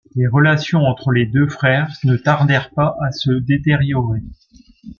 Les relations entre les deux frères ne tardèrent pas à se détériorer.